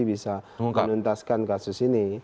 bisa menuntaskan kasus ini